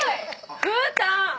ふうたん！